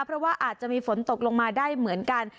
เพราะว่าอาจจะมีฝนตกลงมาได้เหมือนกัน